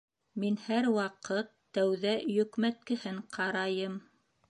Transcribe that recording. Мин һәр ваҡыт тәүҙә йөкмәткеһен ҡарайым